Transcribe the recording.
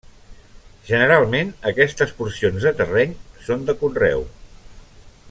Generalment aquestes porcions de terreny són de conreu.